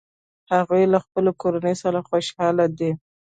هغوی له خپلې کورنۍ سره خوشحاله دي